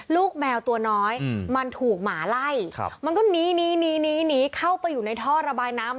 ลูกแมวตัวน้อยมันถูกหมาไล่มันก็หนีหนีเข้าไปอยู่ในท่อระบายน้ำ